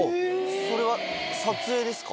それは撮影ですか？